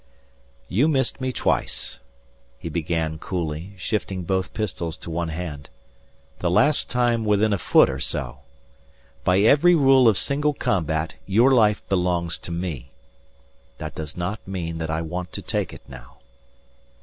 "You missed me twice," he began coolly, shifting both pistols to one hand. "The last time within a foot or so. By every rule of single combat your life belongs to me. That does not mean that I want to take it now."